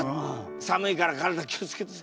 寒いから体気を付けてください。